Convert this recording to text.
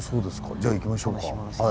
じゃ行きましょうか。